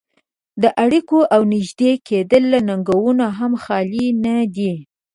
دا اړيکې او نږدې کېدل له ننګونو هم خالي نه دي.